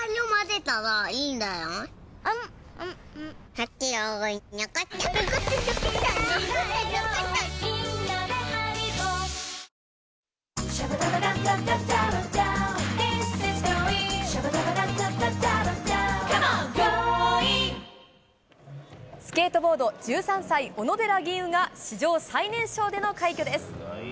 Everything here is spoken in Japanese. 果たして１０人は成功させスケートボード、１３歳、小野寺吟雲が史上最年少での快挙です。